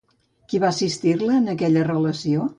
Qui va assistir-la en aquesta relació?